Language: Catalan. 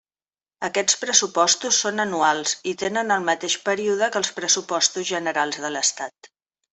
Aquests pressupostos són anuals i tenen el mateix període que els Pressupostos Generals de l'Estat.